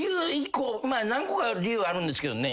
まあ何個か理由あるんですけどね。